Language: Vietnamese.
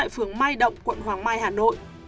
phường mai động quận hoàng mai hà nội